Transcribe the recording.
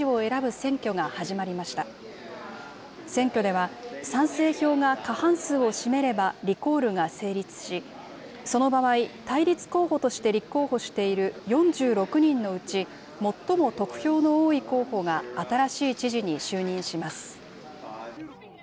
選挙では、賛成票が過半数を占めればリコールが成立し、その場合、対立候補として立候補している４６人のうち、最も得票の多い候補が新しい知事に就任します。